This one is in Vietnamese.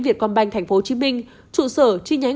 việt com banh tp hcm trụ sở chi nhánh